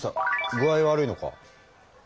具合悪いのか？